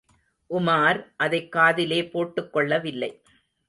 உமார் அதைக் காதிலே போட்டுக் கொள்ளவில்லை.